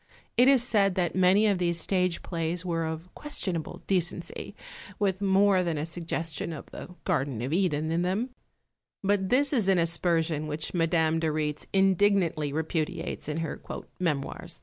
It is said that many of these stage plays were of questionable decency, with more than a suggestion of the garden of Eden in them; but this is an aspersion which Madame de Rietz indignantly repudiates in her "Memoirs."